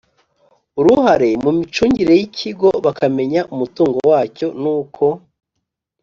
uruhare mu micungire y'ikigo, bakamenya umutungo wacyo n'uko